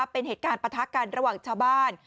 เป็นเหตุการณ์ปะทะกันระหว่างชาวบ้าน